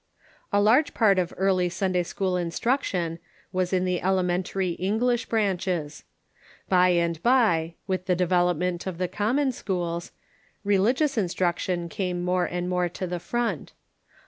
A large part of early Sunday school instruction was in the elementary English branches. By and by, with the develop ment of the common schools, religious instruction o^Met'iTods *'^^^^^ more and more to the front.